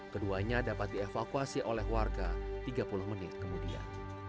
keduanya dapat dievakuasi oleh warga tiga puluh menit kemudian